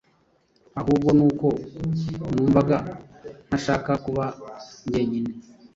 ahubwo nuko numvaga ntashaka kuba jyenyine.